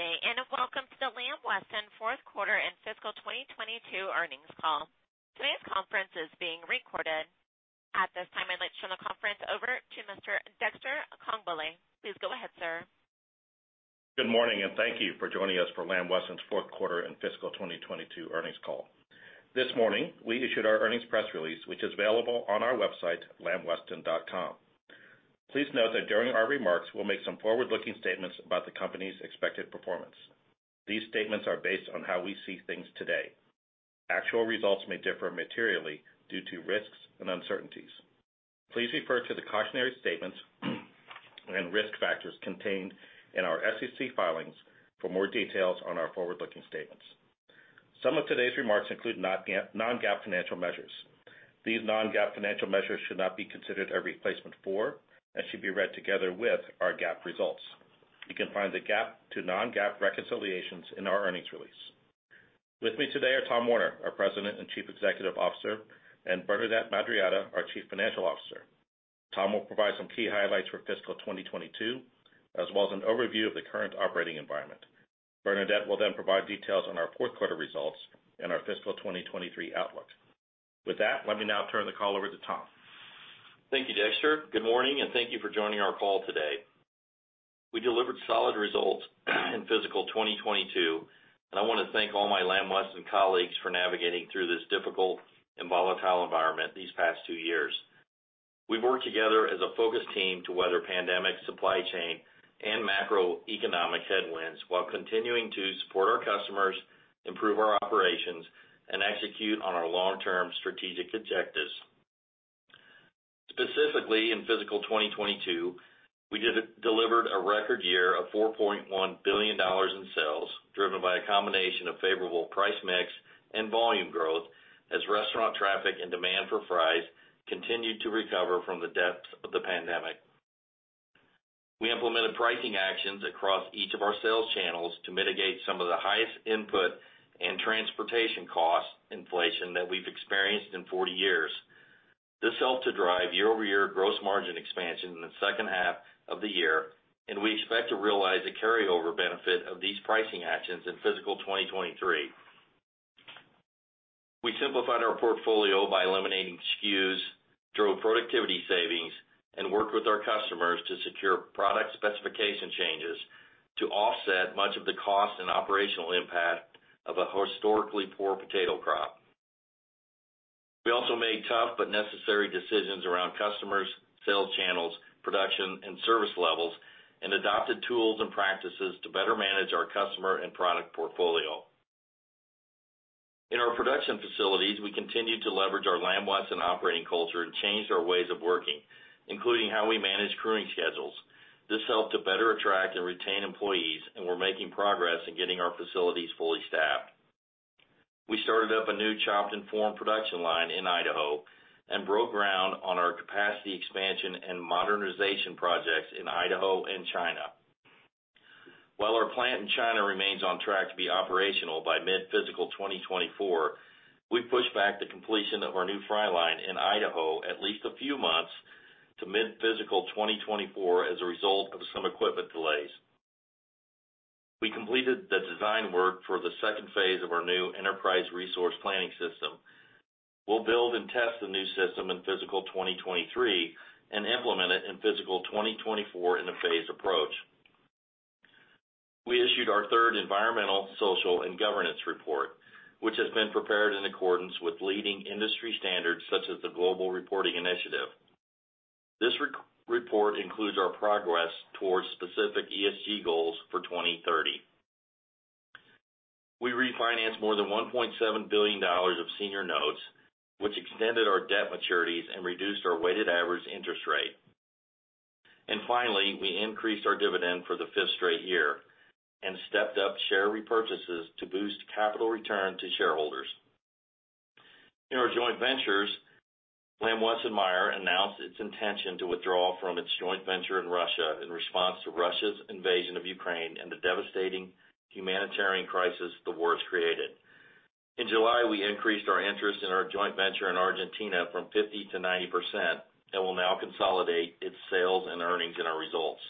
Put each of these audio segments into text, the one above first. Good day, and welcome to the Lamb Weston fourth quarter and fiscal 2022 earnings call. Today's conference is being recorded. At this time, I'd like to turn the conference over to Mr. Dexter Congbalay. Please go ahead, sir. Good morning, and thank you for joining us for Lamb Weston's fourth quarter and fiscal 2022 earnings call. This morning, we issued our earnings press release, which is available on our website, lambweston.com. Please note that during our remarks, we'll make some forward-looking statements about the company's expected performance. These statements are based on how we see things today. Actual results may differ materially due to risks and uncertainties. Please refer to the cautionary statements and risk factors contained in our SEC filings for more details on our forward-looking statements. Some of today's remarks include non-GAAP financial measures. These non-GAAP financial measures should not be considered a replacement for, and should be read together with, our GAAP results. You can find the GAAP to non-GAAP reconciliations in our earnings release. With me today are Tom Werner, our President and Chief Executive Officer, and Bernadette Madarieta, our Chief Financial Officer. Tom will provide some key highlights for fiscal 2022, as well as an overview of the current operating environment. Bernadette will then provide details on our fourth quarter results and our fiscal 2023 outlook. With that, let me now turn the call over to Tom. Thank you, Dexter. Good morning, and thank you for joining our call today. We delivered solid results in fiscal 2022, and I wanna thank all my Lamb Weston colleagues for navigating through this difficult and volatile environment these past two years. We've worked together as a focused team to weather pandemic, supply chain, and macroeconomic headwinds while continuing to support our customers, improve our operations, and execute on our long-term strategic objectives. Specifically, in fiscal 2022, we delivered a record year of $4.1 billion in sales, driven by a combination of favorable price mix and volume growth as restaurant traffic and demand for fries continued to recover from the depths of the pandemic. We implemented pricing actions across each of our sales channels to mitigate some of the highest input and transportation cost inflation that we've experienced in 40 years. This helped to drive year-over-year gross margin expansion in the second half of the year, and we expect to realize the carryover benefit of these pricing actions in fiscal 2023. We simplified our portfolio by eliminating SKUs, drove productivity savings, and worked with our customers to secure product specification changes to offset much of the cost and operational impact of a historically poor potato crop. We also made tough but necessary decisions around customers, sales channels, production, and service levels, and adopted tools and practices to better manage our customer and product portfolio. In our production facilities, we continued to leverage our Lamb Weston operating culture and changed our ways of working, including how we manage crewing schedules. This helped to better attract and retain employees, and we're making progress in getting our facilities fully staffed. We started up a new chopped and formed production line in Idaho and broke ground on our capacity expansion and modernization projects in Idaho and China. While our plant in China remains on track to be operational by mid-fiscal 2024, we pushed back the completion of our new fry line in Idaho at least a few months to mid-fiscal 2024 as a result of some equipment delays. We completed the design work for the second phase of our new enterprise resource planning system. We'll build and test the new system in fiscal 2023 and implement it in fiscal 2024 in a phased approach. We issued our third environmental, social, and governance report, which has been prepared in accordance with leading industry standards, such as the Global Reporting Initiative. This report includes our progress towards specific ESG goals for 2030. We refinanced more than $1.7 billion of senior notes, which extended our debt maturities and reduced our weighted average interest rate. Finally, we increased our dividend for the fifth straight year and stepped up share repurchases to boost capital return to shareholders. In our joint ventures, Lamb Weston Meijer announced its intention to withdraw from its joint venture in Russia in response to Russia's invasion of Ukraine and the devastating humanitarian crisis the war has created. In July, we increased our interest in our joint venture in Argentina from 50%-90% and will now consolidate its sales and earnings in our results.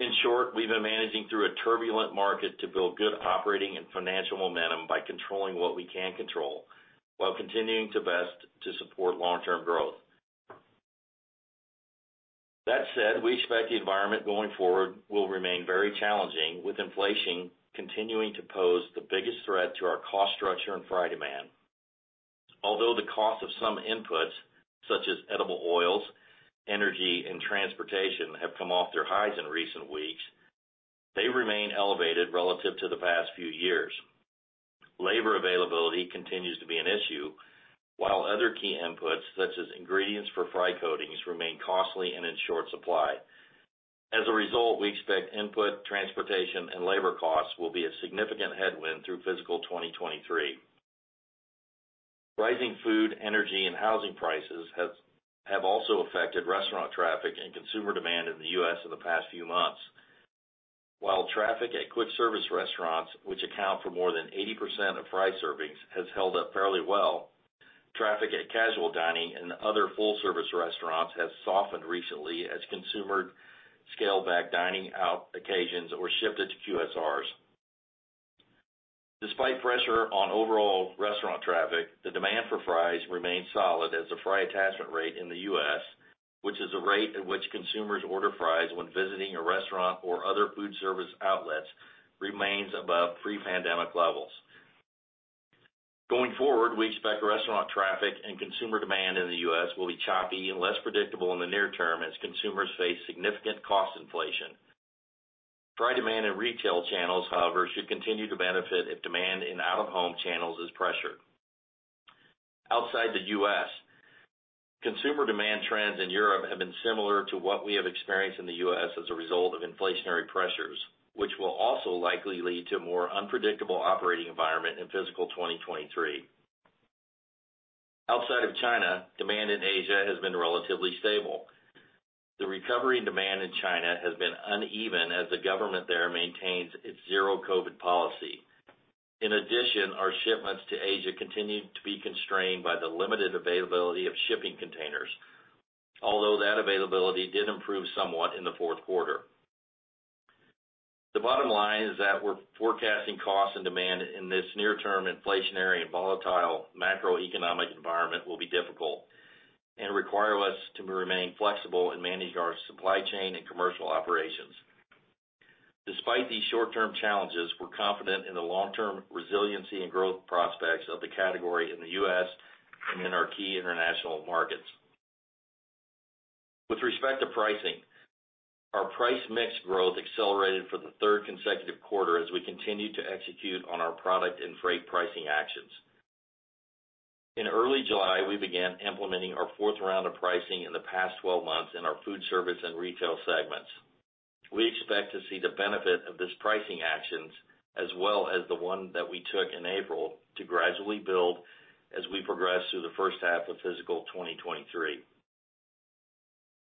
In short, we've been managing through a turbulent market to build good operating and financial momentum by controlling what we can control while continuing to do our best to support long-term growth. That said, we expect the environment going forward will remain very challenging, with inflation continuing to pose the biggest threat to our cost structure and fry demand. Although the cost of some inputs, such as edible oils, energy, and transportation, have come off their highs in recent weeks, they remain elevated relative to the past few years. Labor availability continues to be an issue, while other key inputs, such as ingredients for fry coatings, remain costly and in short supply. As a result, we expect input, transportation, and labor costs will be a significant headwind through fiscal 2023. Rising food, energy, and housing prices have also affected restaurant traffic and consumer demand in the U.S. in the past few months. While traffic at quick service restaurants, which account for more than 80% of fry servings, has held up fairly well. Traffic at casual dining and other full-service restaurants has softened recently as consumers scale back dining-out occasions or shift it to QSRs. Despite pressure on overall restaurant traffic, the demand for fries remains solid as the fry attachment rate in the U.S., which is the rate at which consumers order fries when visiting a restaurant or other food service outlets, remains above pre-pandemic levels. Going forward, we expect restaurant traffic and consumer demand in the U.S. will be choppy and less predictable in the near term as consumers face significant cost inflation. Fry demand in retail channels, however, should continue to benefit if demand in out-of-home channels is pressured. Outside the U.S., consumer demand trends in Europe have been similar to what we have experienced in the U.S. as a result of inflationary pressures, which will also likely lead to a more unpredictable operating environment in fiscal 2023. Outside of China, demand in Asia has been relatively stable. The recovery in demand in China has been uneven as the government there maintains its zero COVID policy. In addition, our shipments to Asia continue to be constrained by the limited availability of shipping containers, although that availability did improve somewhat in the fourth quarter. The bottom line is that we're forecasting costs and demand in this near-term inflationary and volatile macroeconomic environment will be difficult and require us to remain flexible and manage our supply chain and commercial operations. Despite these short-term challenges, we're confident in the long-term resiliency and growth prospects of the category in the U.S. and in our key international markets. With respect to pricing, our price mix growth accelerated for the third consecutive quarter as we continue to execute on our product and freight pricing actions. In early July, we began implementing our fourth round of pricing in the past 12 months in our food service and retail segments. We expect to see the benefit of these pricing actions, as well as the one that we took in April, to gradually build as we progress through the first half of fiscal 2023.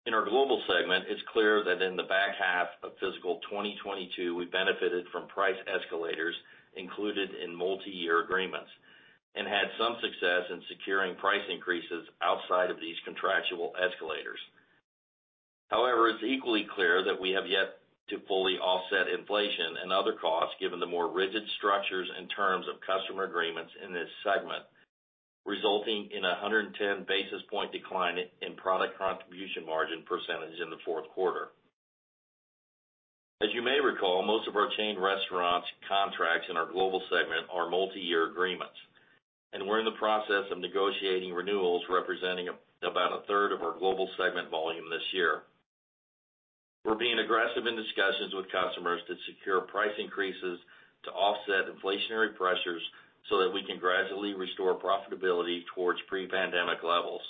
In our global segment, it's clear that in the back half of fiscal 2022, we benefited from price escalators included in multiyear agreements and had some success in securing price increases outside of these contractual escalators. However, it's equally clear that we have yet to fully offset inflation and other costs, given the more rigid structures and terms of customer agreements in this segment, resulting in 110 basis points decline in product contribution margin percentage in the fourth quarter. As you may recall, most of our chain restaurants contracts in our global segment are multiyear agreements, and we're in the process of negotiating renewals representing about a third of our global segment volume this year. We're being aggressive in discussions with customers to secure price increases to offset inflationary pressures so that we can gradually restore profitability towards pre-pandemic levels.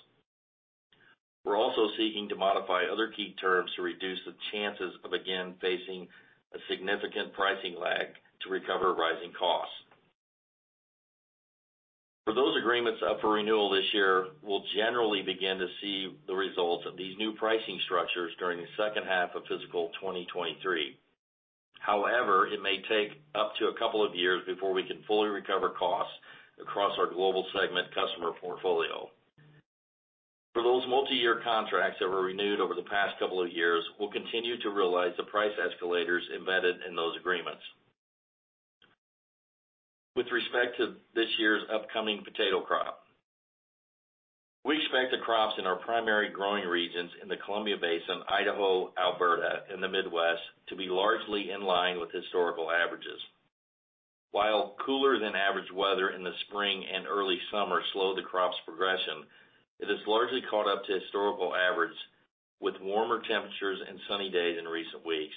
We're also seeking to modify other key terms to reduce the chances of again facing a significant pricing lag to recover rising costs. For those agreements up for renewal this year, we'll generally begin to see the results of these new pricing structures during the second half of fiscal 2023. However, it may take up to a couple of years before we can fully recover costs across our global segment customer portfolio. For those multiyear contracts that were renewed over the past couple of years, we'll continue to realize the price escalators embedded in those agreements. With respect to this year's upcoming potato crop, we expect the crops in our primary growing regions in the Columbia Basin, Idaho, Alberta, and the Midwest to be largely in line with historical averages. While cooler than average weather in the spring and early summer slowed the crop's progression, it has largely caught up to historical average with warmer temperatures and sunny days in recent weeks.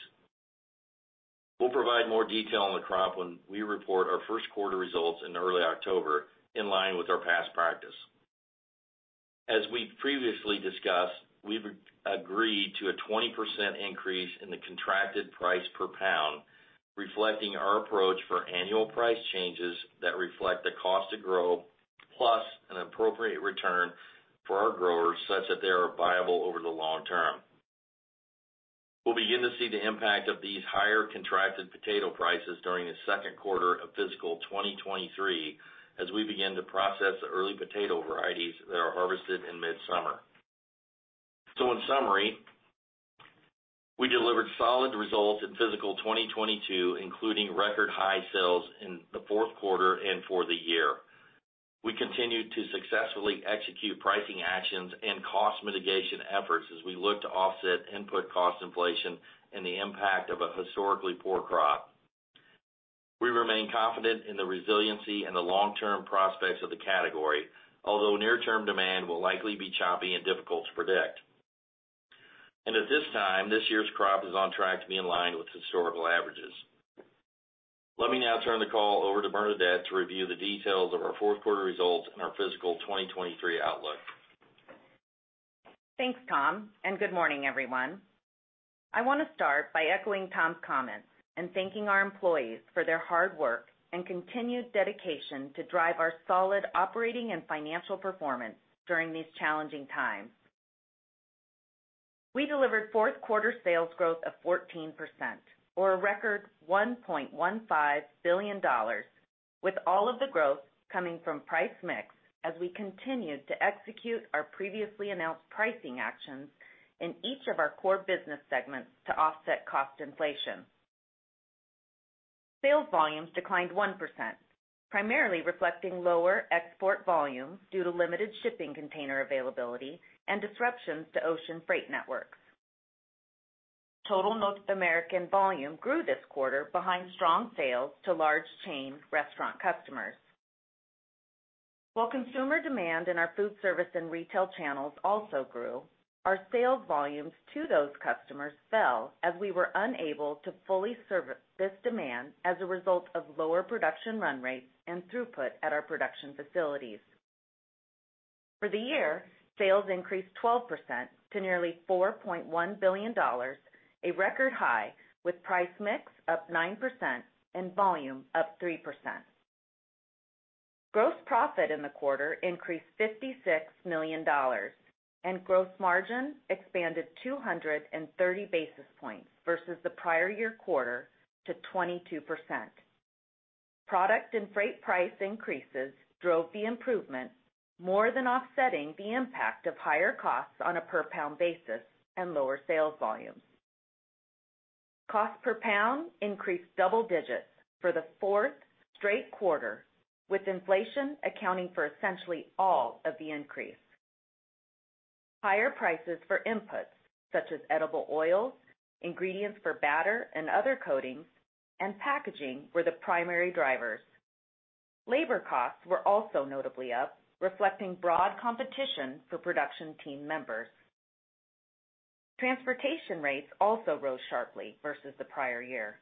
We'll provide more detail on the crop when we report our first quarter results in early October, in line with our past practice. As we previously discussed, we've agreed to a 20% increase in the contracted price per pound, reflecting our approach for annual price changes that reflect the cost to grow, plus an appropriate return for our growers such that they are viable over the long term. We'll begin to see the impact of these higher contracted potato prices during the second quarter of fiscal 2023 as we begin to process the early potato varieties that are harvested in mid-summer. In summary, we delivered solid results in fiscal 2022, including record high sales in the fourth quarter and for the year. We continued to successfully execute pricing actions and cost mitigation efforts as we look to offset input cost inflation and the impact of a historically poor crop. We remain confident in the resiliency and the long-term prospects of the category, although near-term demand will likely be choppy and difficult to predict. At this time, this year's crop is on track to be in line with historical averages. Let me now turn the call over to Bernadette to review the details of our fourth quarter results and our fiscal 2023 outlook. Thanks, Tom, and good morning, everyone. I want to start by echoing Tom's comments and thanking our employees for their hard work and continued dedication to drive our solid operating and financial performance during these challenging times. We delivered fourth quarter sales growth of 14% or a record $1.15 billion, with all of the growth coming from price mix as we continued to execute our previously announced pricing actions in each of our core business segments to offset cost inflation. Sales volumes declined 1%, primarily reflecting lower export volumes due to limited shipping container availability and disruptions to ocean freight networks. Total North American volume grew this quarter behind strong sales to large chain restaurant customers. While consumer demand in our food service and retail channels also grew, our sales volumes to those customers fell as we were unable to fully service this demand as a result of lower production run rates and throughput at our production facilities. For the year, sales increased 12% to nearly $4.1 billion, a record high, with price mix up 9% and volume up 3%. Gross profit in the quarter increased $56 million and gross margin expanded 230 basis points versus the prior year quarter to 22%. Product and freight price increases drove the improvement more than offsetting the impact of higher costs on a per pound basis and lower sales volumes. Cost per pound increased double digits for the fourth straight quarter, with inflation accounting for essentially all of the increase. Higher prices for inputs such as edible oils, ingredients for batter and other coatings, and packaging were the primary drivers. Labor costs were also notably up, reflecting broad competition for production team members. Transportation rates also rose sharply versus the prior year.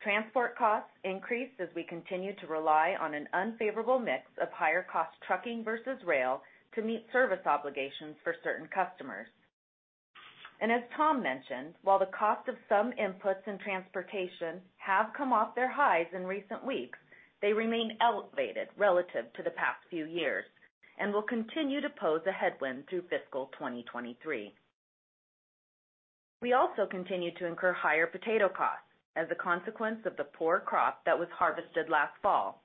Transport costs increased as we continued to rely on an unfavorable mix of higher cost trucking versus rail to meet service obligations for certain customers. As Tom mentioned, while the cost of some inputs and transportation have come off their highs in recent weeks, they remain elevated relative to the past few years and will continue to pose a headwind through fiscal 2023. We also continued to incur higher potato costs as a consequence of the poor crop that was harvested last fall.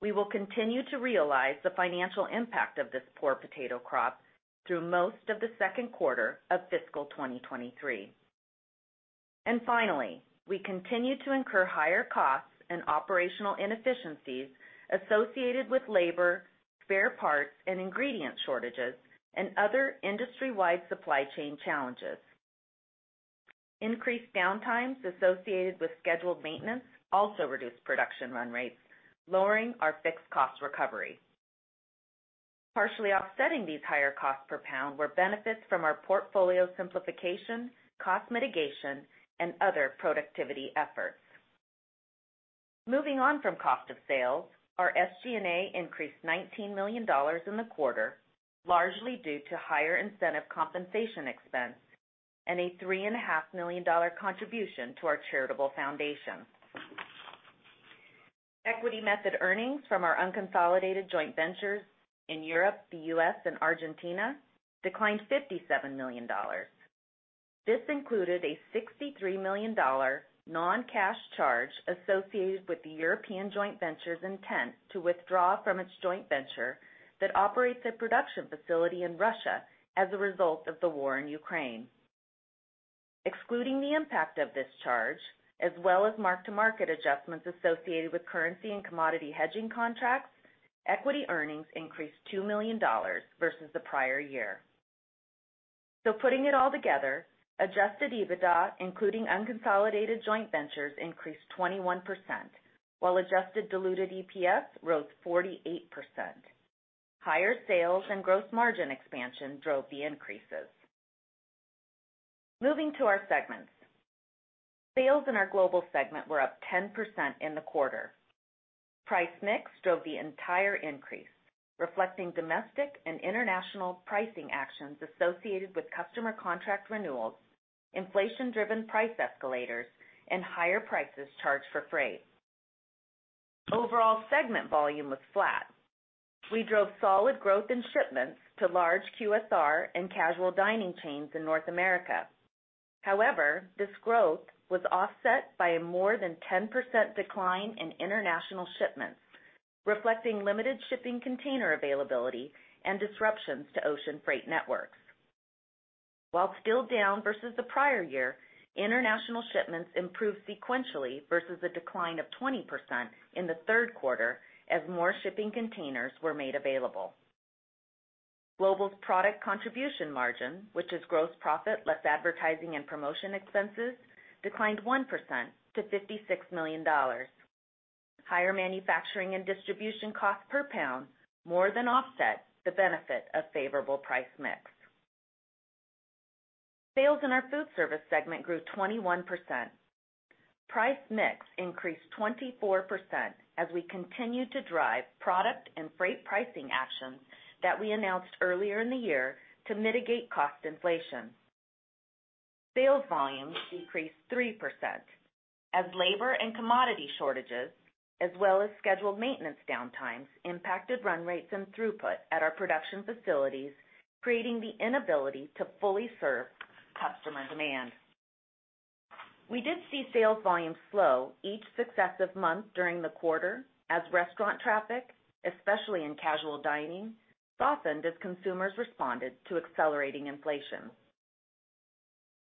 We will continue to realize the financial impact of this poor potato crop through most of the second quarter of fiscal 2023. Finally, we continued to incur higher costs and operational inefficiencies associated with labor, spare parts, and ingredient shortages and other industry-wide supply chain challenges. Increased downtimes associated with scheduled maintenance also reduced production run rates, lowering our fixed cost recovery. Partially offsetting these higher costs per pound were benefits from our portfolio simplification, cost mitigation, and other productivity efforts. Moving on from cost of sales, our SG&A increased $19 million in the quarter, largely due to higher incentive compensation expense and a $3.5 million dollar contribution to our charitable foundation. Equity method earnings from our unconsolidated joint ventures in Europe, the U.S., and Argentina declined $57 million. This included a $63 million dollar non-cash charge associated with the European joint venture's intent to withdraw from its joint venture that operates a production facility in Russia as a result of the war in Ukraine. Excluding the impact of this charge, as well as mark-to-market adjustments associated with currency and commodity hedging contracts, equity earnings increased $2 million versus the prior year. Putting it all together, adjusted EBITDA, including unconsolidated joint ventures, increased 21%, while adjusted diluted EPS rose 48%. Higher sales and gross margin expansion drove the increases. Moving to our segments. Sales in our global segment were up 10% in the quarter. Price mix drove the entire increase, reflecting domestic and international pricing actions associated with customer contract renewals, inflation-driven price escalators, and higher prices charged for freight. Overall segment volume was flat. We drove solid growth in shipments to large QSR and casual dining chains in North America. However, this growth was offset by a more than 10% decline in international shipments, reflecting limited shipping container availability and disruptions to ocean freight networks. While still down versus the prior year, international shipments improved sequentially versus a decline of 20% in the third quarter as more shipping containers were made available. Global's product contribution margin, which is gross profit less advertising and promotion expenses, declined 1% to $56 million. Higher manufacturing and distribution costs per pound more than offset the benefit of favorable price mix. Sales in our food service segment grew 21%. Price mix increased 24% as we continued to drive product and freight pricing actions that we announced earlier in the year to mitigate cost inflation. Sales volume decreased 3% as labor and commodity shortages as well as scheduled maintenance downtimes impacted run rates and throughput at our production facilities, creating the inability to fully serve customer demand. We did see sales volume slow each successive month during the quarter as restaurant traffic, especially in casual dining, softened as consumers responded to accelerating inflation.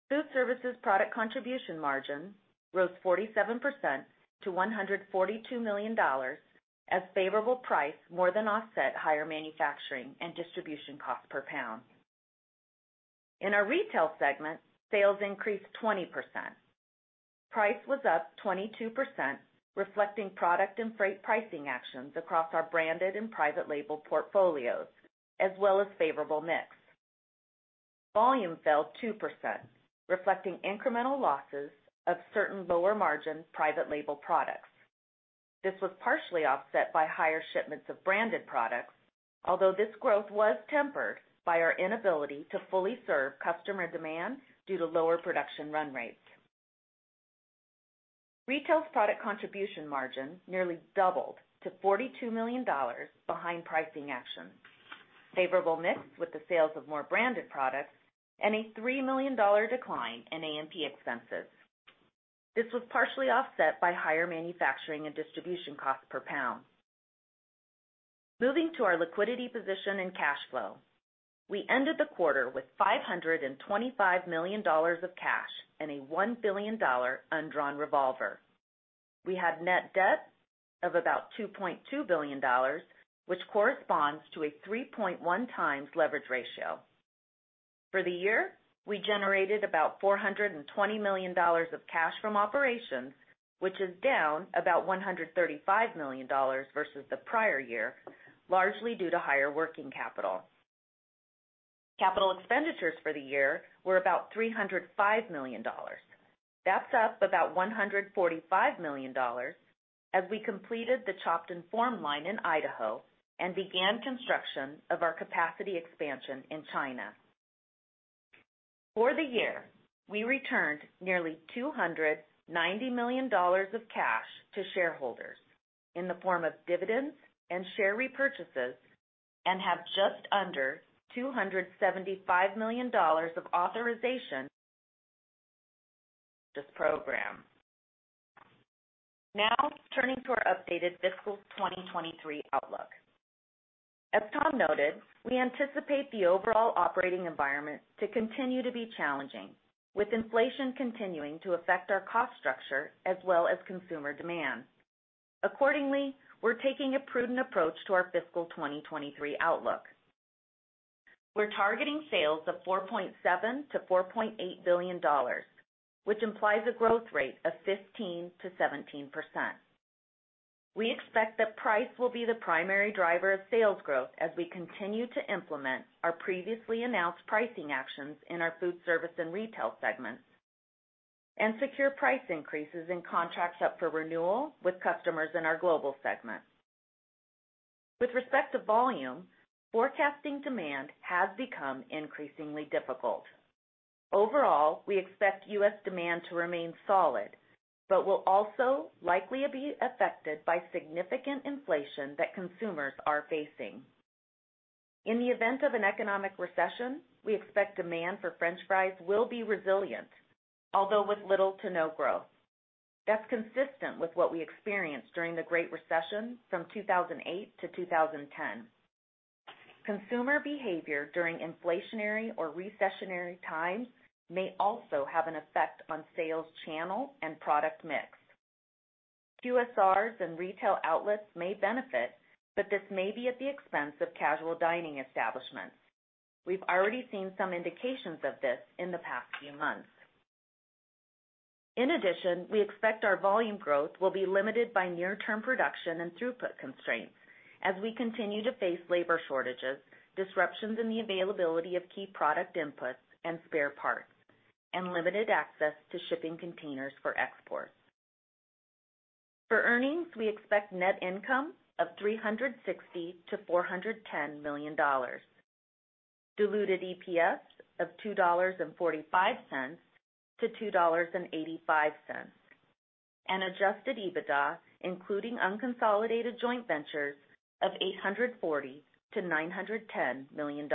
Food services product contribution margin rose 47% to $142 million as favorable price more than offset higher manufacturing and distribution cost per pound. In our retail segment, sales increased 20%. Price was up 22%, reflecting product and freight pricing actions across our branded and private label portfolios as well as favorable mix. Volume fell 2%, reflecting incremental losses of certain lower margin private label products. This was partially offset by higher shipments of branded products, although this growth was tempered by our inability to fully serve customer demand due to lower production run rates. Retail's product contribution margin nearly doubled to $42 million behind pricing actions, favorable mix with the sales of more branded products, and a $3 million decline in A&P expenses. This was partially offset by higher manufacturing and distribution costs per pound. Moving to our liquidity position and cash flow, we ended the quarter with $525 million of cash and a $1 billion undrawn revolver. We had net debt of about $2.2 billion, which corresponds to a 3.1x leverage ratio. For the year, we generated about $420 million of cash from operations, which is down about $135 million versus the prior year, largely due to higher working capital. Capital expenditures for the year were about $305 million. That's up about $145 million as we completed the chopped and formed line in Idaho and began construction of our capacity expansion in China. For the year, we returned nearly $290 million of cash to shareholders in the form of dividends and share repurchases and have just under $275 million of authorization. [d]this program. Now turning to our updated fiscal 2023 outlook. As Tom noted, we anticipate the overall operating environment to continue to be challenging, with inflation continuing to affect our cost structure as well as consumer demand. Accordingly, we're taking a prudent approach to our fiscal 2023 outlook. We're targeting sales of $4.7 billion-$4.8 billion, which implies a growth rate of 15%-17%. We expect that price will be the primary driver of sales growth as we continue to implement our previously announced pricing actions in our food service and retail segments and secure price increases in contracts up for renewal with customers in our global segment. With respect to volume, forecasting demand has become increasingly difficult. Overall, we expect U.S. demand to remain solid, but will also likely be affected by significant inflation that consumers are facing. In the event of an economic recession, we expect demand for French fries will be resilient, although with little to no growth. That's consistent with what we experienced during the Great Recession from 2008 to 2010. Consumer behavior during inflationary or recessionary times may also have an effect on sales channel and product mix. QSRs and retail outlets may benefit, but this may be at the expense of casual dining establishments. We've already seen some indications of this in the past few months. In addition, we expect our volume growth will be limited by near-term production and throughput constraints as we continue to face labor shortages, disruptions in the availability of key product inputs and spare parts, and limited access to shipping containers for exports. For earnings, we expect net income of $360 million-$410 million, diluted EPS of $2.45-$2.85, and adjusted EBITDA, including unconsolidated joint ventures, of $840 million-$910 million.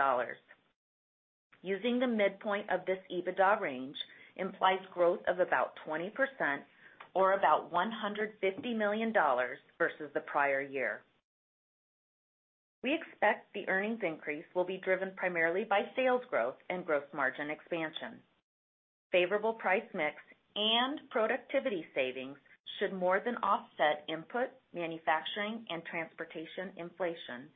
Using the midpoint of this EBITDA range implies growth of about 20% or about $150 million versus the prior year. We expect the earnings increase will be driven primarily by sales growth and gross margin expansion. Favorable price mix and productivity savings should more than offset input, manufacturing, and transportation inflation,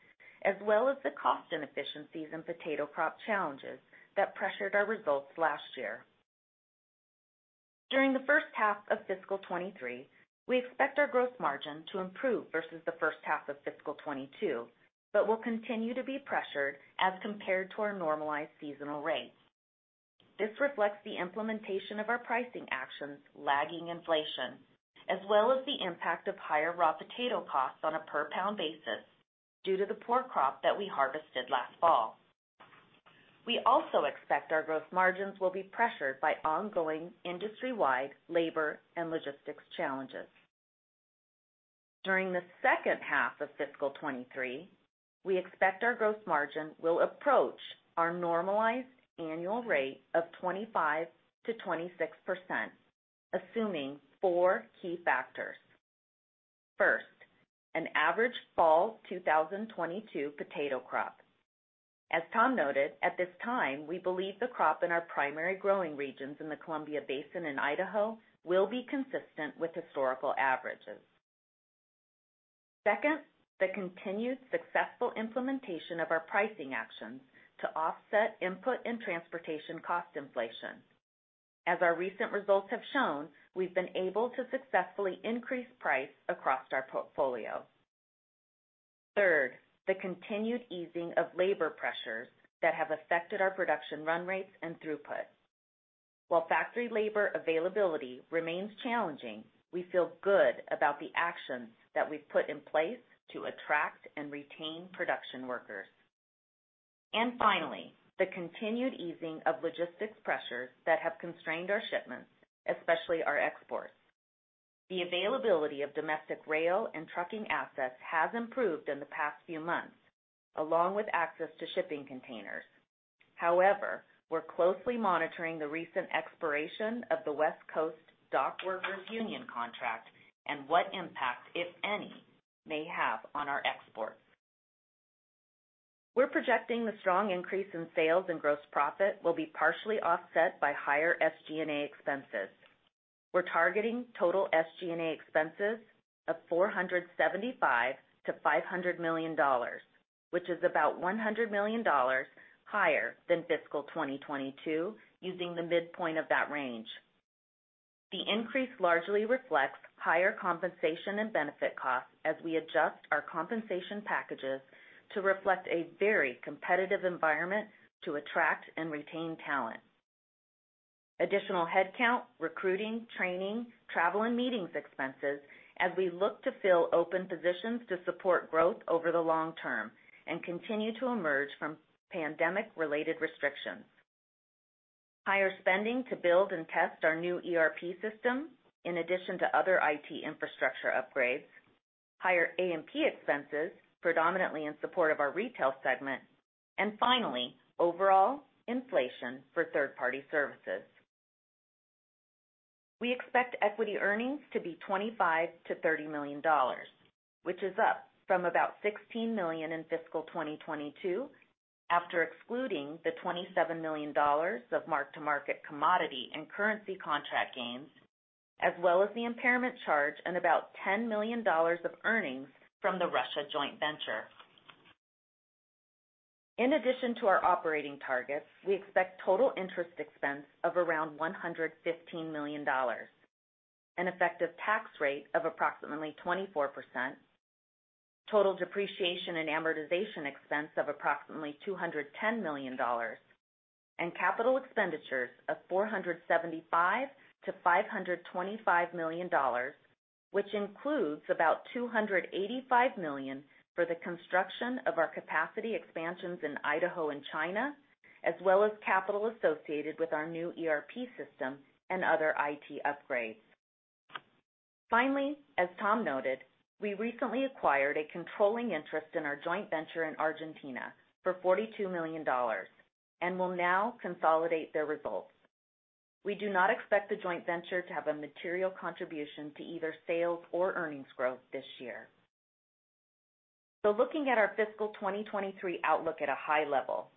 as well as the cost inefficiencies and potato crop challenges that pressured our results last year. During the first half of fiscal 2023, we expect our gross margin to improve versus the first half of fiscal 2022, but will continue to be pressured as compared to our normalized seasonal rates. This reflects the implementation of our pricing actions lagging inflation, as well as the impact of higher raw potato costs on a per pound basis. Due to the poor crop that we harvested last fall. We also expect our gross margins will be pressured by ongoing industry-wide labor and logistics challenges. During the second half of fiscal 2023, we expect our gross margin will approach our normalized annual rate of 25%-26%, assuming four key factors. First, an average fall 2022 potato crop. As Tom noted, at this time, we believe the crop in our primary growing regions in the Columbia Basin in Idaho will be consistent with historical averages. Second, the continued successful implementation of our pricing actions to offset input and transportation cost inflation. As our recent results have shown, we've been able to successfully increase price across our portfolio. Third, the continued easing of labor pressures that have affected our production run rates and throughput. While factory labor availability remains challenging, we feel good about the actions that we've put in place to attract and retain production workers. Finally, the continued easing of logistics pressures that have constrained our shipments, especially our exports. The availability of domestic rail and trucking assets has improved in the past few months, along with access to shipping containers. However, we're closely monitoring the recent expiration of the International Longshore and Warehouse Union contract and what impact, if any, may have on our exports. We're projecting the strong increase in sales and gross profit will be partially offset by higher SG&A expenses. We're targeting total SG&A expenses of $475 million-$500 million, which is about $100 million higher than fiscal 2022, using the midpoint of that range. The increase largely reflects higher compensation and benefit costs as we adjust our compensation packages to reflect a very competitive environment to attract and retain talent. Additional headcount, recruiting, training, travel, and meetings expenses as we look to fill open positions to support growth over the long term and continue to emerge from pandemic-related restrictions. Higher spending to build and test our new ERP system in addition to other IT infrastructure upgrades, higher A&P expenses, predominantly in support of our retail segment, and finally, overall inflation for third-party services. We expect equity earnings to be $25 million-$30 million, which is up from about $16 million in fiscal 2022, after excluding the $27 million of mark-to-market commodity and currency contract gains, as well as the impairment charge and about $10 million of earnings from the Russia joint venture. In addition to our operating targets, we expect total interest expense of around $115 million, an effective tax rate of approximately 24%, total depreciation and amortization expense of approximately $210 million, and capital expenditures of $475 million-$525 million, which includes about $285 million for the construction of our capacity expansions in Idaho and China, as well as capital associated with our new ERP system and other IT upgrades. Finally, as Tom noted, we recently acquired a controlling interest in our joint venture in Argentina for $42 million and will now consolidate their results. We do not expect the joint venture to have a material contribution to either sales or earnings growth this year. Looking at our fiscal 2023 outlook at a high level,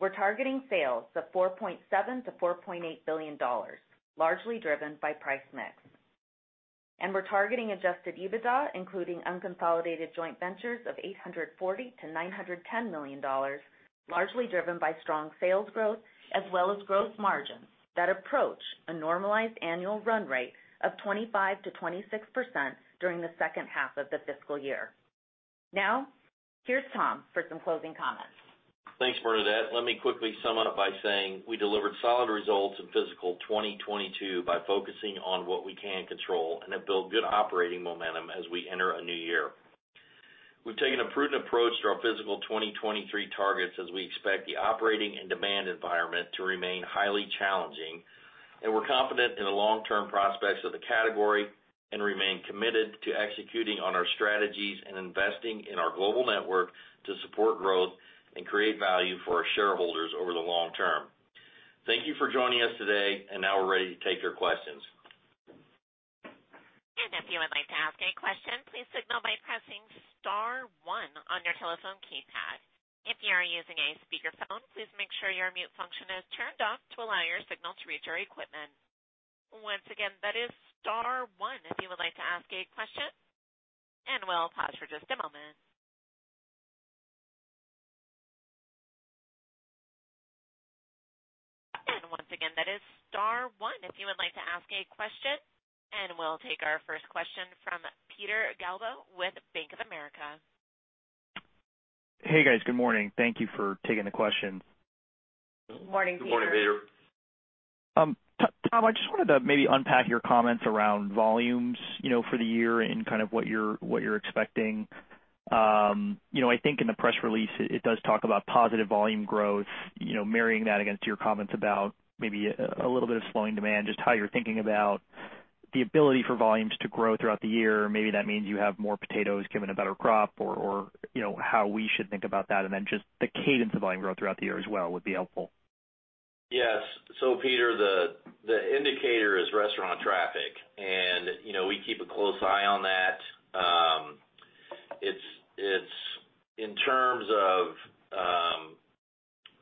we're targeting sales of $4.7 billion-$4.8 billion, largely driven by price mix. We're targeting adjusted EBITDA, including unconsolidated joint ventures of $840 million-$910 million, largely driven by strong sales growth as well as growth margins that approach a normalized annual run rate of 25%-26% during the second half of the fiscal year. Now, here's Tom for some closing comments. Thanks, Bernadette. Let me quickly sum it up by saying we delivered solid results in fiscal 2022 by focusing on what we can control and have built good operating momentum as we enter a new year. We've taken a prudent approach to our fiscal 2023 targets as we expect the operating and demand environment to remain highly challenging, and we're confident in the long-term prospects of the category and remain committed to executing on our strategies and investing in our global network to support growth and create value for our shareholders over the long term. Thank you for joining us today, and now we're ready to take your questions. If you would like to ask a question, please signal by pressing star one on your telephone keypad. If you are using a speakerphone, please make sure your mute function is turned off to allow your signal to reach our equipment. Once again, that is star one if you would like to ask a question, and we'll pause for just a moment. Once again, that is star one if you would like to ask a question, and we'll take our first question from Peter Galbo with Bank of America. Hey, guys. Good morning. Thank you for taking the questions. Morning, Peter. Good morning, Peter. Tom, I just wanted to maybe unpack your comments around volumes, you know, for the year and kind of what you're expecting. You know, I think in the press release it does talk about positive volume growth, you know, marrying that against your comments about maybe a little bit of slowing demand, just how you're thinking about the ability for volumes to grow throughout the year. Maybe that means you have more potatoes given a better crop or, you know, how we should think about that. Just the cadence of volume growth throughout the year as well would be helpful. Yes. Peter, the indicator is restaurant traffic and you know, we keep a close eye on that. It's in terms of,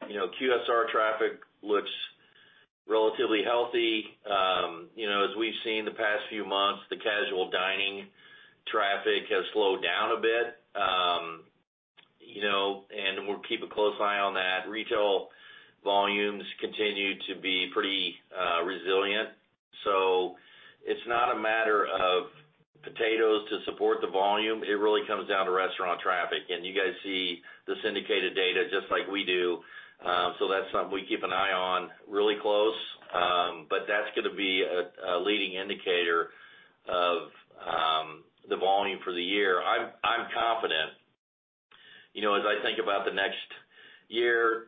you know, QSR traffic looks relatively healthy. You know, as we've seen the past few months, the casual dining traffic has slowed down a bit. You know, we'll keep a close eye on that. Retail volumes continue to be pretty resilient. It's not a matter of potatoes to support the volume. It really comes down to restaurant traffic. You guys see the syndicated data just like we do. That's something we keep an eye on really close. That's gonna be a leading indicator of the volume for the year. I'm confident. You know, as I think about the next year,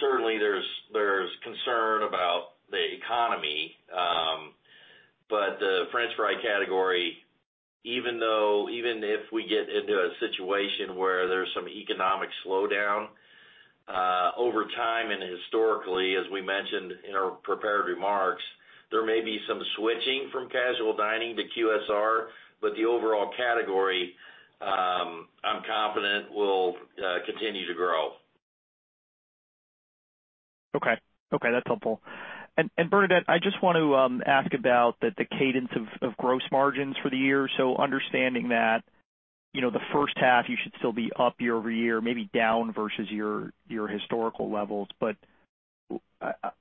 certainly there's concern about the economy. The French fry category, even if we get into a situation where there's some economic slowdown, over time and historically, as we mentioned in our prepared remarks, there may be some switching from casual dining to QSR, but the overall category, I'm confident will continue to grow. Okay. Okay, that's helpful. Bernadette, I just want to ask about the cadence of gross margins for the year. Understanding that, you know, the first half you should still be up year-over-year, maybe down versus your historical levels.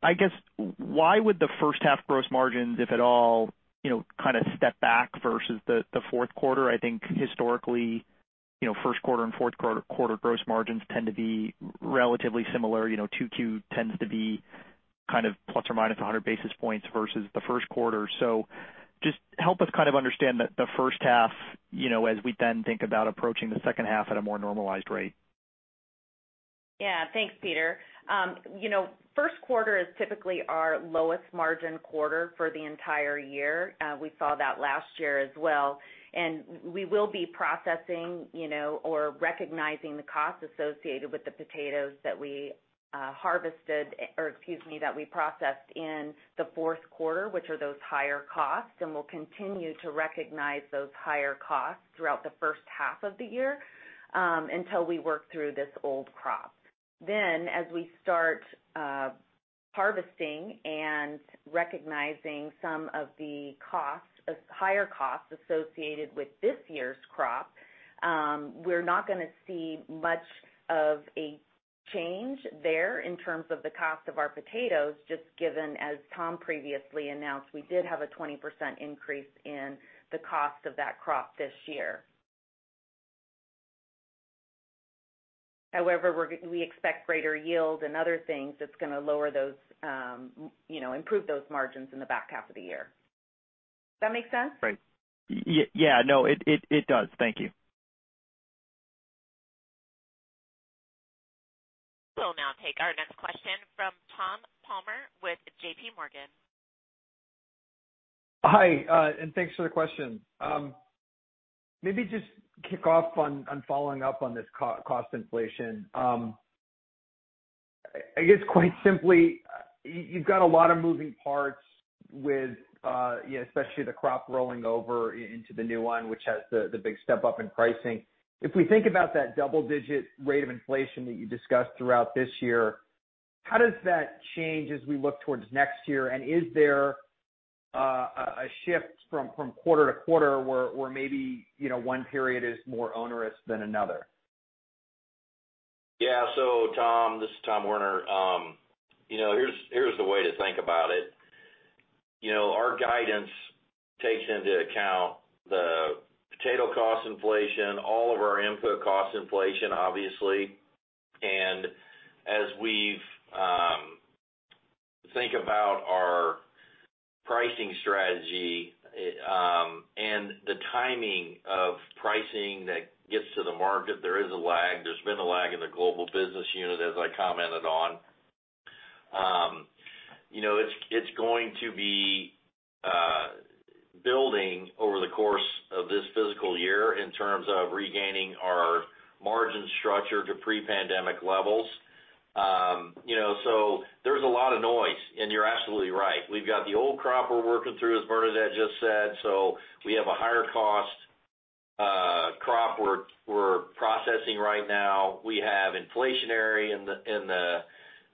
I guess why would the first half gross margins, if at all, you know, kind of step back versus the fourth quarter? I think historically, you know, first quarter and fourth quarter gross margins tend to be relatively similar. You know, 2Q tends to be kind of plus or minus 100 basis points versus the first quarter. Just help us kind of understand the first half, you know, as we then think about approaching the second half at a more normalized rate. Yeah. Thanks, Peter. You know, first quarter is typically our lowest margin quarter for the entire year. We saw that last year as well. We will be processing, you know, or recognizing the costs associated with the potatoes that we processed in the fourth quarter, which are those higher costs, and we'll continue to recognize those higher costs throughout the first half of the year, until we work through this old crop. As we start harvesting and recognizing some of the costs, higher costs associated with this year's crop, we're not gonna see much of a change there in terms of the cost of our potatoes, just given, as Tom previously announced, we did have a 20% increase in the cost of that crop this year. However, we expect greater yield and other things that's gonna lower those, you know, improve those margins in the back half of the year. That make sense? Right. Yeah. No, it does. Thank you. We'll now take our next question from Tom Palmer with JP Morgan. Hi, and thanks for the question. Maybe just kick off on following up on this cost inflation. I guess quite simply, you've got a lot of moving parts with, especially the crop rolling over into the new one, which has the big step up in pricing. If we think about that double-digit rate of inflation that you discussed throughout this year, how does that change as we look towards next year? Is there a shift from quarter to quarter where maybe, you know, one period is more onerous than another? Yeah. Tom, this is Tom Werner. You know, here's the way to think about it. You know, our guidance takes into account the potato cost inflation, all of our input cost inflation, obviously. As we think about our pricing strategy, and the timing of pricing that gets to the market, there is a lag. There's been a lag in the global business unit, as I commented on. You know, it's going to be building over the course of this fiscal year in terms of regaining our margin structure to pre-pandemic levels. You know, so there's a lot of noise, and you're absolutely right. We've got the old crop we're working through, as Bernadette just said. We have a higher cost crop we're processing right now. We have inflation in the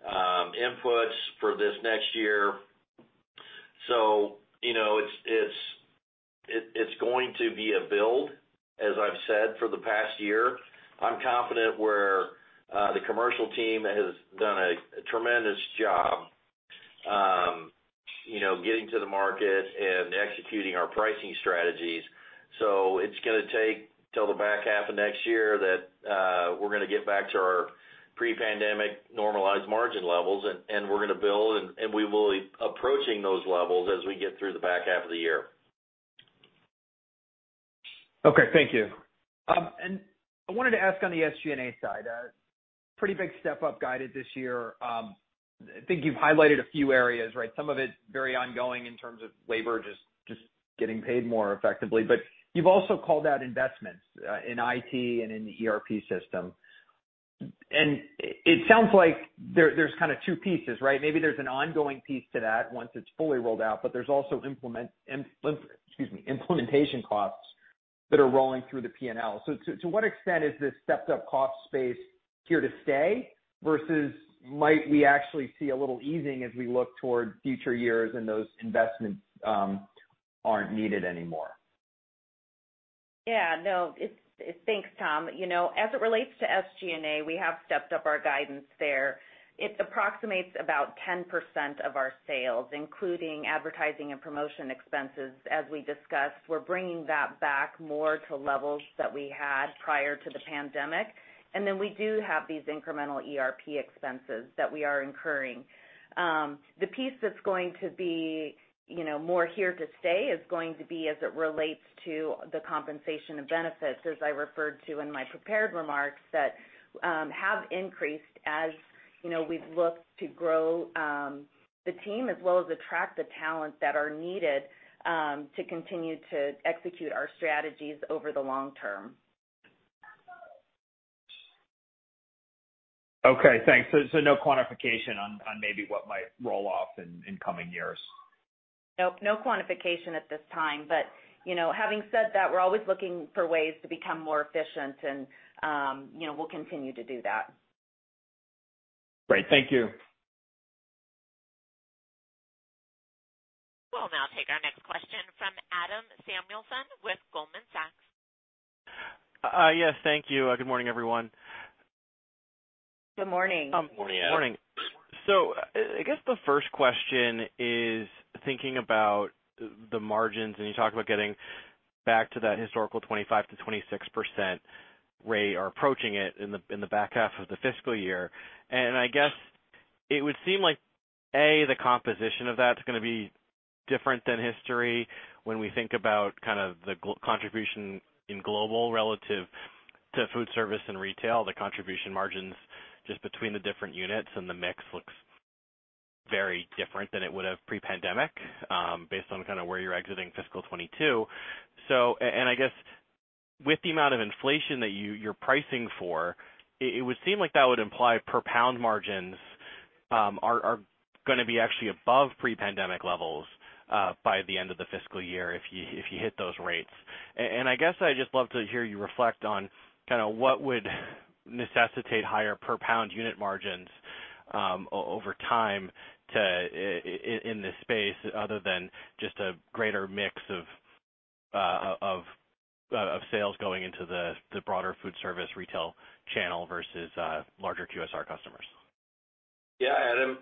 inputs for this next year. You know, it's going to be a build, as I've said for the past year. I'm confident the commercial team has done a tremendous job, you know, getting to the market and executing our pricing strategies. It's gonna take till the back half of next year, we're gonna get back to our pre-pandemic normalized margin levels, and we're gonna build, and we will be approaching those levels as we get through the back half of the year. Okay, thank you. I wanted to ask on the SG&A side, pretty big step up guided this year. I think you've highlighted a few areas, right? Some of it very ongoing in terms of labor just getting paid more effectively. You've also called out investments in IT and in the ERP system. It sounds like there's kind of two pieces, right? Maybe there's an ongoing piece to that once it's fully rolled out, but there's also implementation costs that are rolling through the P&L. To what extent is this stepped up cost space here to stay versus might we actually see a little easing as we look toward future years and those investments aren't needed anymore? Yeah, no. Thanks, Tom. You know, as it relates to SG&A, we have stepped up our guidance there. It approximates about 10% of our sales, including advertising and promotion expenses. As we discussed, we're bringing that back more to levels that we had prior to the pandemic. Then we do have these incremental ERP expenses that we are incurring. The piece that's going to be, you know, more here to stay is going to be as it relates to the compensation and benefits, as I referred to in my prepared remarks, that have increased as, you know, we've looked to grow the team, as well as attract the talent that are needed to continue to execute our strategies over the long term. Okay, thanks. No quantification on maybe what might roll off in coming years. Nope, no quantification at this time. You know, having said that, we're always looking for ways to become more efficient, and you know, we'll continue to do that. Great. Thank you. We'll now take our next question from Adam Samuelson with Goldman Sachs. Yes, thank you. Good morning, everyone. Good morning. Good morning, Adam. Morning. I guess the first question is thinking about the margins, and you talked about getting back to that historical 25%-26% rate or approaching it in the back half of the fiscal year. I guess it would seem like, A, the composition of that's gonna be different than history when we think about kind of the contribution in global relative to food service and retail, the contribution margins just between the different units and the mix looks very different than it would have pre-pandemic, based on kind of where you're exiting fiscal 2022. I guess with the amount of inflation that you're pricing for, it would seem like that would imply per pound margins are gonna be actually above pre-pandemic levels by the end of the fiscal year if you hit those rates. I guess I'd just love to hear you reflect on kind of what would necessitate higher per pound unit margins over time in this space other than just a greater mix of sales going into the broader food service retail channel versus larger QSR customers. Yeah, Adam,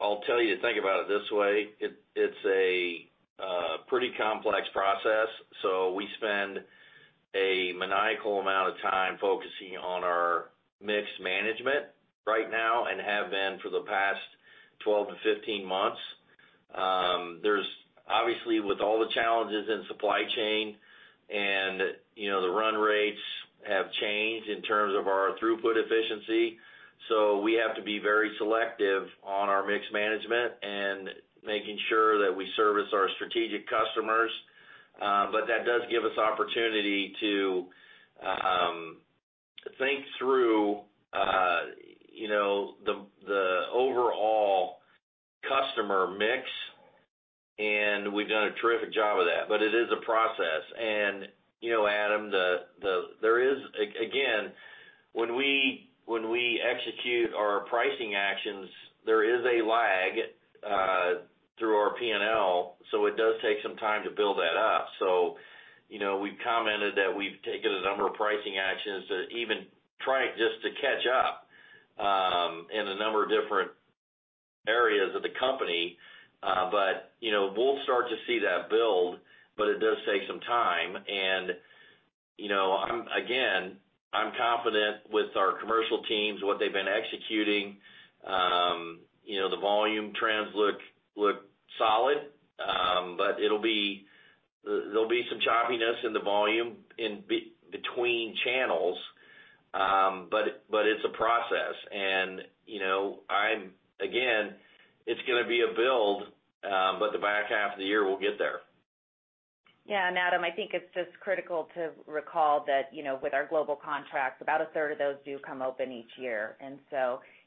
I'll tell you to think about it this way. It's a pretty complex process. We spend a maniacal amount of time focusing on our mix management right now and have been for the past 12-15 months. There's obviously with all the challenges in supply chain and, you know, the run rates have changed in terms of our throughput efficiency. We have to be very selective on our mix management and making sure that we service our strategic customers. That does give us opportunity to think through, you know, the overall customer mix, and we've done a terrific job of that. It is a process. You know, Adam, there is again, when we execute our pricing actions, there is a lag through our P&L, so it does take some time to build that up. You know, we've commented that we've taken a number of pricing actions to even try just to catch up in a number of different areas of the company. But, you know, we'll start to see that build, but it does take some time. You know, Again, I'm confident with our commercial teams, what they've been executing. You know, the volume trends look solid. But there'll be some choppiness in the volume in between channels. But it's a process. You know, Again, it's gonna be a build, but the back half of the year will get there. Yeah. Adam, I think it's just critical to recall that, you know, with our global contracts, about a third of those do come open each year.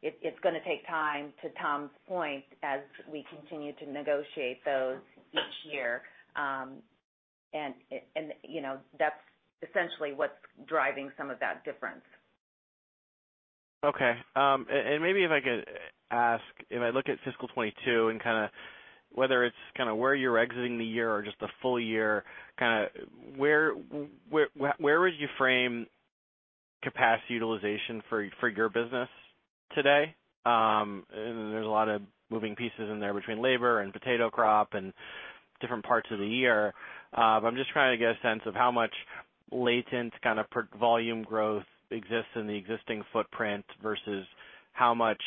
It's gonna take time, to Tom's point, as we continue to negotiate those each year. You know, that's essentially what's driving some of that difference. Okay. And maybe if I could ask, if I look at fiscal 2022 and kind of whether it's kind of where you're exiting the year or just the full year, kind of where would you frame capacity utilization for your business today. There's a lot of moving pieces in there between labor and potato crop and different parts of the year. I'm just trying to get a sense of how much latent kind of per volume growth exists in the existing footprint versus how much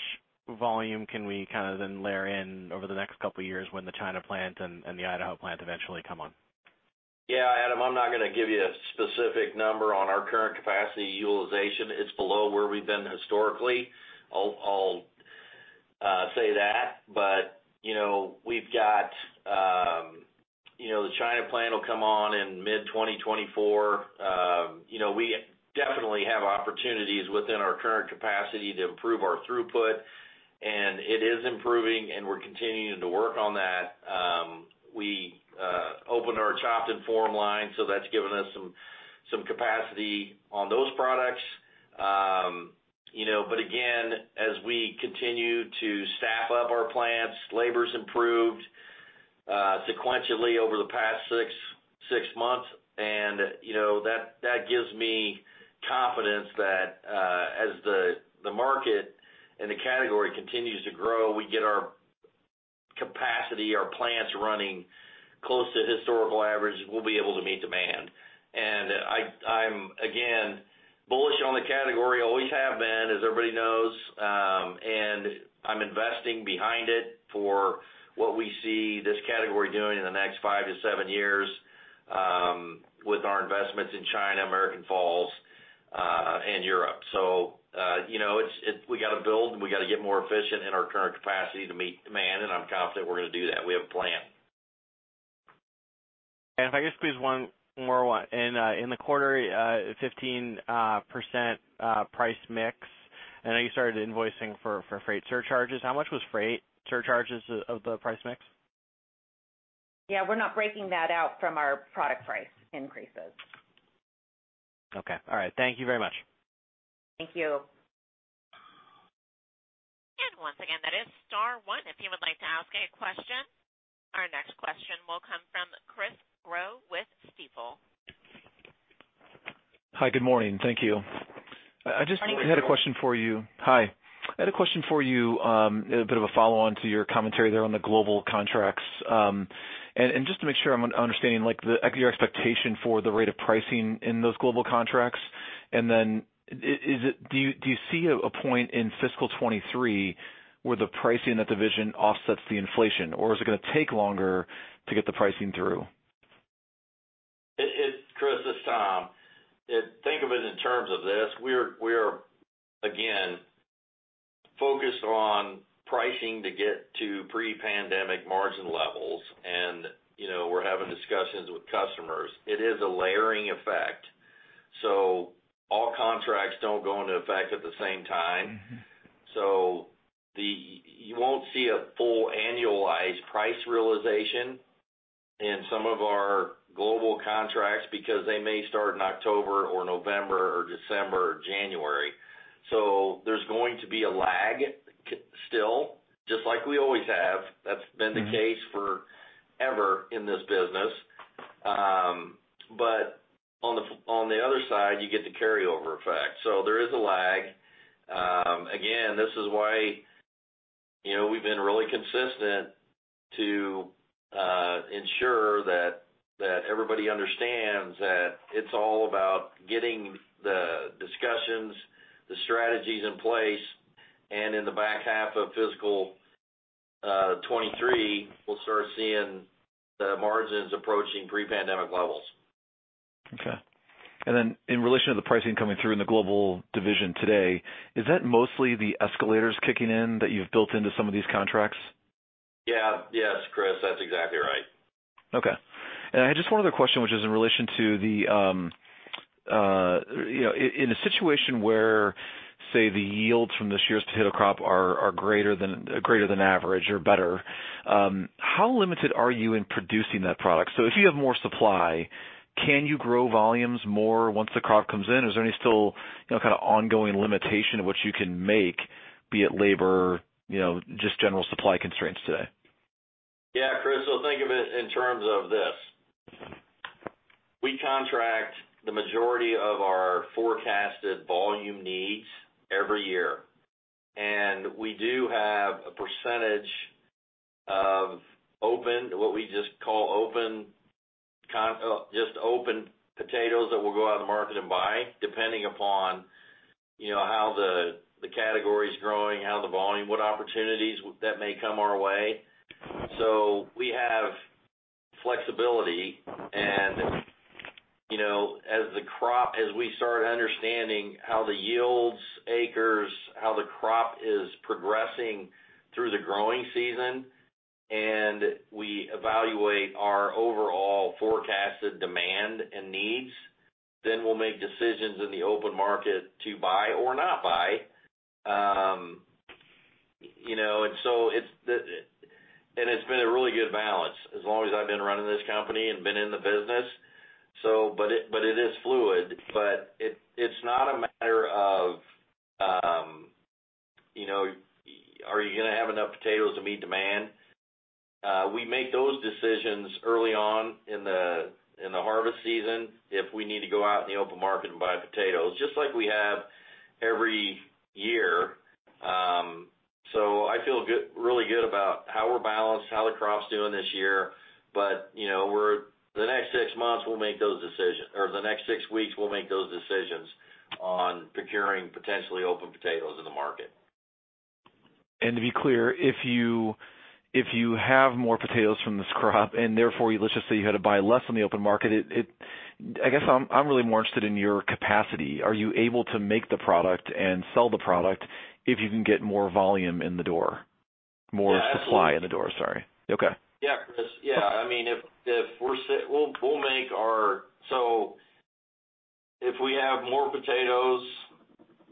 volume can we kind of then layer in over the next couple of years when the China plant and the Idaho plant eventually come on. Yeah, Adam, I'm not gonna give you a specific number on our current capacity utilization. It's below where we've been historically. I'll say that, but you know, we've got the China plant will come on in mid-2024. You know, we definitely have opportunities within our current capacity to improve our throughput, and it is improving, and we're continuing to work on that. We opened our chopped and form line, so that's given us some capacity on those products. You know, but again, as we continue to staff up our plants, labor's improved sequentially over the past six months and you know, that gives me confidence that as the market and the category continues to grow, we get our capacity, our plants running close to historical average, we'll be able to meet demand. I'm, again, bullish on the category, always have been, as everybody knows, and I'm investing behind it for what we see this category doing in the next five to seven years, with our investments in China, American Falls, and Europe. You know, we got to build and we got to get more efficient in our current capacity to meet demand, and I'm confident we're going to do that. We have a plan. If I could squeeze one more in the quarter, 15% price mix, I know you started invoicing for freight surcharges. How much was freight surcharges of the price mix? Yeah, we're not breaking that out from our product price increases. Okay. All right. Thank you very much. Thank you. Once again, that is star one if you would like to ask a question. Our next question will come from Chris Growe with Stifel. Hi, good morning. Thank you. Hi, Chris. I just had a question for you. Hi. I had a question for you, a bit of a follow-on to your commentary there on the global contracts. Just to make sure I'm understanding, like your expectation for the rate of pricing in those global contracts. Do you see a point in fiscal 2023 where the pricing in that division offsets the inflation, or is it gonna take longer to get the pricing through? It's Chris, it's Tom. Think of it in terms of this. We're again focused on pricing to get to pre-pandemic margin levels. You know, we're having discussions with customers. It is a layering effect. All contracts don't go into effect at the same time. Mm-hmm. You won't see a full annualized price realization in some of our global contracts because they may start in October or November or December or January. There's going to be a lag still, just like we always have. That's been the case. Mm-hmm Forever in this business. On the other side, you get the carryover effect. There is a lag. Again, this is why, you know, we've been really consistent to ensure that everybody understands that it's all about getting the discussions, the strategies in place, and in the back half of fiscal 2023, we'll start seeing the margins approaching pre-pandemic levels. Okay. In relation to the pricing coming through in the global division today, is that mostly the escalators kicking in that you've built into some of these contracts? Yeah. Yes, Chris, that's exactly right. Okay. I had just one other question, which is in relation to the you know in a situation where, say, the yields from this year's potato crop are greater than average or better, how limited are you in producing that product? So if you have more supply, can you grow volumes more once the crop comes in? Is there any still you know kind of ongoing limitation of what you can make, be it labor you know just general supply constraints today? Yeah, Chris. Think of it in terms of this. We contract the majority of our forecasted volume needs every year. We do have a percentage of open, what we just call open potatoes that we'll go out to market and buy depending upon, you know, how the category is growing, how the volume, what opportunities that may come our way. We have flexibility and, you know, as we start understanding how the yields, acres, how the crop is progressing through the growing season and we evaluate our overall forecasted demand and needs, then we'll make decisions in the open market to buy or not buy. You know, and it's been a really good balance as long as I've been running this company and been in the business. But it is fluid, but it's not a matter of to meet demand. We make those decisions early on in the harvest season if we need to go out in the open market and buy potatoes, just like we have every year. I feel good, really good about how we're balanced, how the crop's doing this year. You know, the next six weeks, we'll make those decisions on procuring potentially open potatoes in the market. To be clear, if you have more potatoes from this crop and therefore let's just say you had to buy less on the open market, I guess I'm really more interested in your capacity. Are you able to make the product and sell the product if you can get more volume in the door? Yeah. More supply in the door, sorry. Okay. Yeah, Chris. Yeah. I mean, if we have more potatoes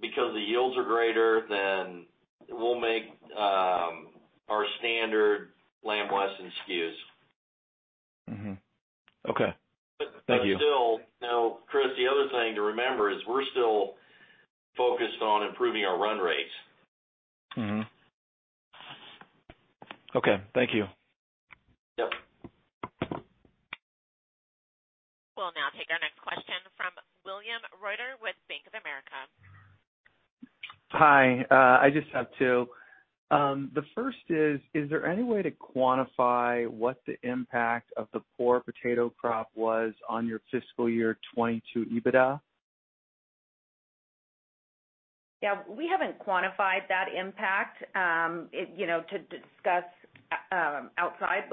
because the yields are greater, then we'll make our standard Lamb Weston SKUs. Okay. Thank you. Now, Chris, the other thing to remember is we're still focused on improving our run rates. Mm-hmm. Okay, thank you. Yep. We'll now take our next question from William Reuter with Bank of America. Hi. I just have two. The first is there any way to quantify what the impact of the poor potato crop was on your fiscal year 2022 EBITDA? Yeah. We haven't quantified that impact, you know, to discuss outside.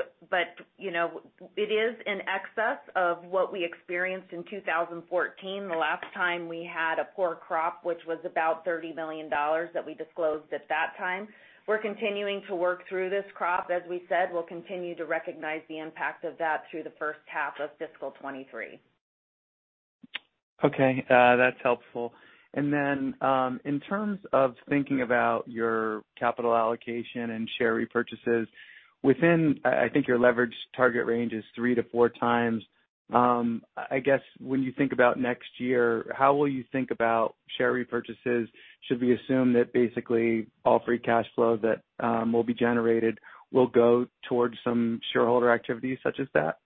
You know, it is in excess of what we experienced in 2014, the last time we had a poor crop, which was about $30 million that we disclosed at that time. We're continuing to work through this crop. As we said, we'll continue to recognize the impact of that through the first half of fiscal 2023. Okay, that's helpful. In terms of thinking about your capital allocation and share repurchases, I think your leverage target range is three to four times. I guess when you think about next year, how will you think about share repurchases? Should we assume that basically all free cash flow that will be generated will go towards some shareholder activities such as that?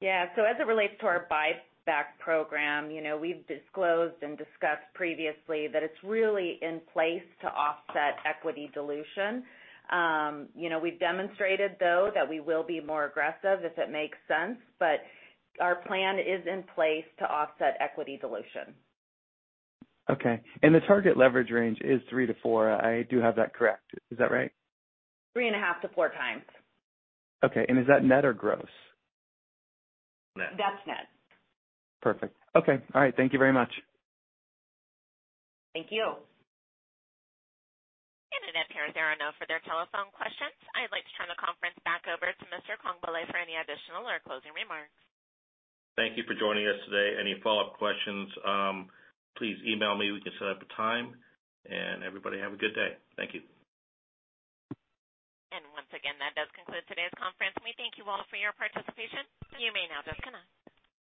Yeah. As it relates to our buyback program, you know, we've disclosed and discussed previously that it's really in place to offset equity dilution. You know, we've demonstrated though that we will be more aggressive if it makes sense, but our plan is in place to offset equity dilution. Okay. The target leverage range is three to four. I do have that correct. Is that right? Three and a half to four times. Okay. Is that net or gross? Net. That's net. Perfect. Okay. All right. Thank you very much. Thank you. There are no further telephone questions. I'd like to turn the conference back over to Mr. Congbalay for any additional or closing remarks. Thank you for joining us today. Any follow-up questions, please email me. We can set up a time. Everybody have a good day. Thank you. Once again, that does conclude today's conference. We thank you all for your participation. You may now disconnect.